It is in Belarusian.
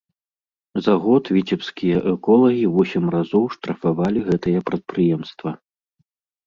За год віцебскія эколагі восем разоў штрафавалі гэтае прадпрыемства.